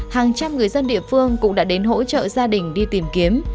hàng trăm người dân địa phương cũng đã đến hỗ trợ gia đình đi tìm kiếm